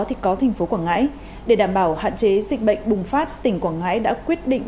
thì có thành phố quảng ngãi để đảm bảo hạn chế dịch bệnh bùng phát tỉnh quảng ngãi đã quyết định